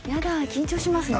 緊張しますね